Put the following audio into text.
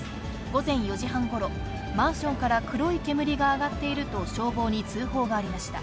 午前４時半ごろ、マンションから黒い煙が上がっていると消防に通報がありました。